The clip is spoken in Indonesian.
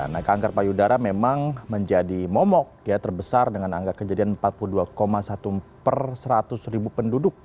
nah kanker payudara memang menjadi momok ya terbesar dengan angka kejadian empat puluh dua satu per seratus ribu penduduk